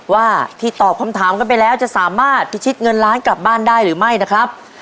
ว่าที่ตอบคำถามกันไปแล้วจะสามารถพิชิตเงินล้านกลับบ้านได้หรือไม่นะครับ